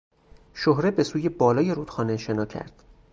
شهره به سوی بالای رودخانه شنا کرد.